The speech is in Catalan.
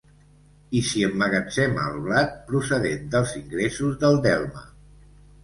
I s'hi emmagatzema el blat, procedent dels ingressos del delme.